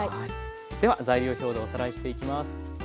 では材料表でおさらいしていきます。